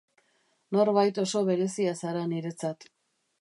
Norbait oso berezia zara niretzat.